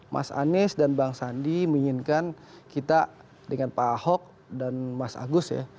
mas anies dan bang sandi menginginkan kita dengan pak ahok dan mas agus ya